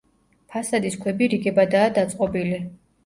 ფასადის ქვები რიგებადაა დაწყობილი.